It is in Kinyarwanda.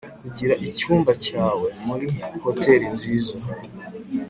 kugira icyumba cyawe muri hoteri nziza.